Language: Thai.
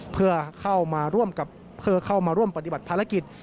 เพื่อเข้ามาร่วมปฏิบัติภารกิจ